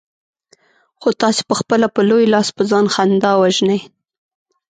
خو تاسې پخپله په لوی لاس په ځان خندا وژنئ.